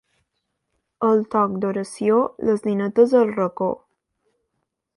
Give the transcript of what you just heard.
Al toc d'oració, les ninetes al racó.